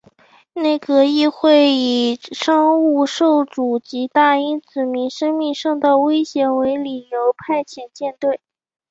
内阁会议以商务受阻及大英子民生命受到威胁为理由派遣舰队。